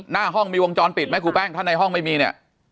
หน้าห้องมีวงจรปิดไหมครูแป้งถ้าในห้องไม่มีเนี่ย